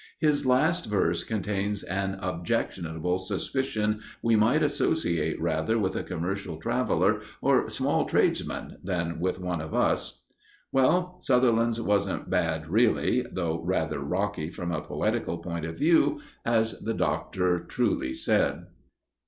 His last verse contains an objectionable suspicion we might associate rather with a commercial traveller or small tradesman, than with one of us." Well, Sutherland's wasn't bad really, though rather rocky from a poetical point of view, as the Doctor truly said.